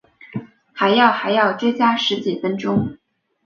还要还要追加十几分钟